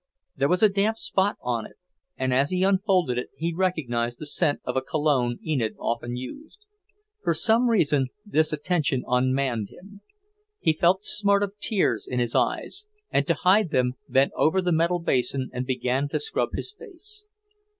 There was a damp spot on it, and as he unfolded it he recognized the scent of a cologne Enid often used. For some reason this attention unmanned him. He felt the smart of tears in his eyes, and to hide them bent over the metal basin and began to scrub his face.